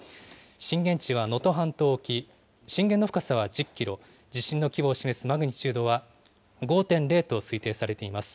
震源地は能登半島沖、震源の深さは１０キロ、地震の規模を示すマグニチュードは５．０と推定されています。